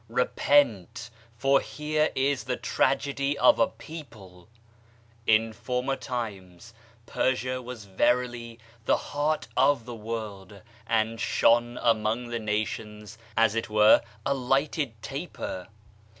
Repent, for here is the tragedy of a people I In former times, Persia was verily the heart of the world, and shone among the nations as it were a lighted taper.